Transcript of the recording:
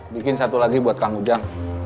bikin satu lagi buat kang ujang